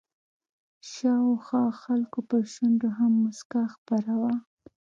شاوخوا خلکو پر شونډو هم مسکا خپره وه.